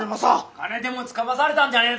金でもつかまされたんじゃねえだろうな！